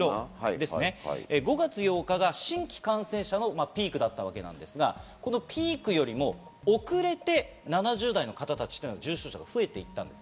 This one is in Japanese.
５月８日が新規感染者のピークだったわけですが、このピークよりも遅れて７０代の方たちは重症者が増えています。